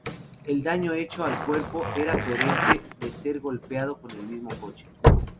El daño hecho al cuerpo era coherente de ser golpeado con el mismo coche.